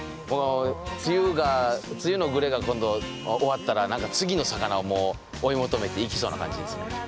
この梅雨が梅雨のグレが今度終わったら何か次の魚も追い求めていきそうな感じですね。